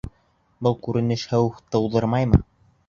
Был күренеш хәүеф тыуҙырмаймы?